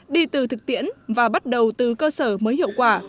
đi từ thực tiễn và bắt đầu từ cơ sở mới hiệu quả